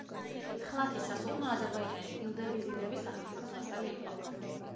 ხლათის სასულთნო აზერბაიჯანის ილდეღიზიდების სახელმწიფოს ვასალი იყო.